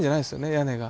屋根が。